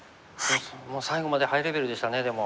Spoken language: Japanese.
もう最後までハイレベルでしたねでも。